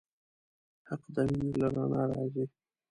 حق د مینې له رڼا راځي.